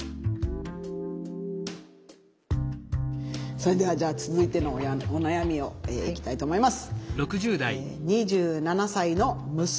それではじゃあ続いてのお悩みをいきたいと思います。